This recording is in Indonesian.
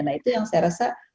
nah itu yang saya rasa